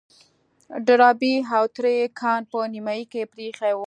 ډاربي او تره يې کان په نيمايي کې پرېيښی و.